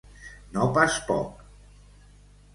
No pas poc!